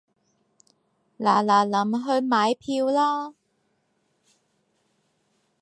嗱嗱臨去買票啦